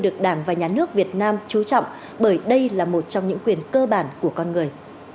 được đảng và nhà nước việt nam trú trọng bởi đây là một trong những quyền cơ bản của con người